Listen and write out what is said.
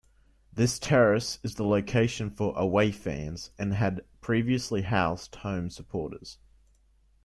This terrace is the location for away fans and had previously housed home supporters.